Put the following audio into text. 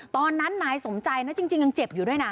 ตอนนั้นนายสมใจนะจริงยังเจ็บอยู่ด้วยนะ